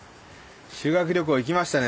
修学旅行行きましたね